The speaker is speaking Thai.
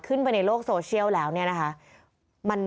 ไปในโลกโซเชียลแล้วเนี่ยนะคะ